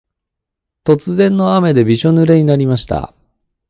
突然の雨でびしょぬれになりました。